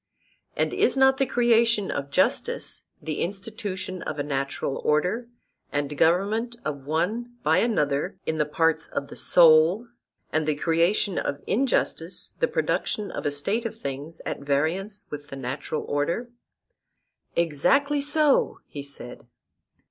And is not the creation of justice the institution of a natural order and government of one by another in the parts of the soul, and the creation of injustice the production of a state of things at variance with the natural order? Exactly so, he said.